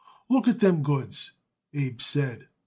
"Look at them goods," Abe said.